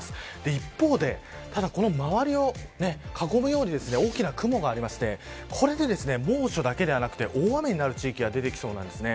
一方で、この周りを囲むように大きな雲があってこれ猛暑だけではなくて大雨になる地域が出てきそうなんです。